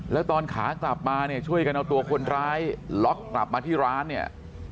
แล้วตอนขากลับมาเนี่ยช่วยกันเอาตัวคนร้ายล็อกกลับมาที่ร้านเนี่ย